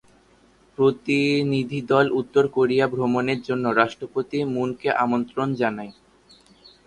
প্রতিনিধিদল উত্তর কোরিয়া ভ্রমনের জন্য রাষ্ট্রপতি মুন কে আমন্ত্রণ জানায়।